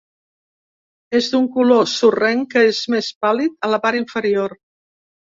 És d'un color sorrenc que és més pàl·lid a la part inferior.